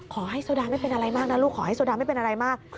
โซดาไม่เป็นอะไรมากนะลูกขอให้โซดาไม่เป็นอะไรมาก